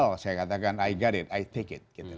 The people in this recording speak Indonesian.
oke saya katakan saya mengerti saya mengambil